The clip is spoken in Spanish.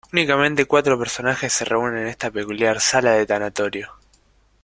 Únicamente cuatro personajes se reúnen en esta peculiar sala de tanatorio.